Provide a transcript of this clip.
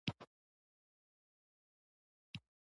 ازادي راډیو د بیکاري په اړه د پرانیستو بحثونو کوربه وه.